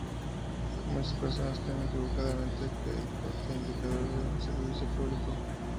Muchas personas creen equivocadamente que el poste indicador es un servicio público.